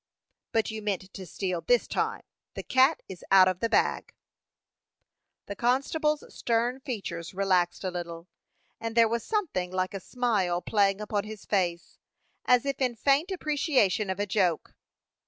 "But you meant to steal this time: the cat is out of the bag." The constable's stern features relaxed a little, and there was something like a smile playing upon his face, as if in faint appreciation of a joke.